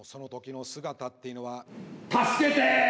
「助けて！」